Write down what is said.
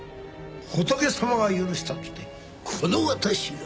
仏様が許したとてこの私が！